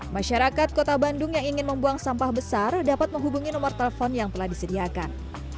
masyarakat kota bandung yang ingin membuang sampah besar dapat menghubungi nomor telepon yang telah disediakan